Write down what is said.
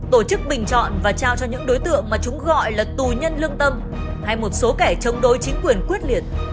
tổ chức bình chọn và trao cho những đối tượng mà chúng gọi là tù nhân lương tâm hay một số kẻ chống đối chính quyền quyết liệt